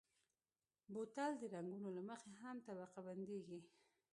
بوتل د رنګونو له مخې هم طبقه بندېږي.